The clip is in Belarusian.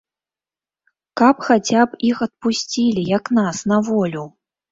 Каб хаця б іх адпусцілі, як нас, на волю.